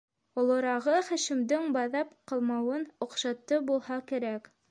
Олорағы Хашимдың баҙап ҡалмауын оҡшатты булһа кәрәк: